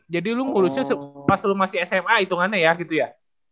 jadi lu ngurusnya pas lu masih sma itungannya ya gitu ya